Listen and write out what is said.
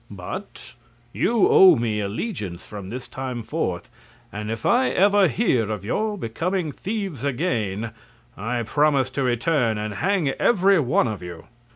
But you owe me allegiance from this time forth, and if I ever hear of your becoming thieves again, I promise to return and hang every one of you."